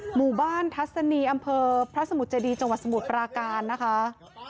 หมู่บ้านทัศนีอำเภอพระสมุทรเจดีจังหวัดสมุทรปราการนะคะ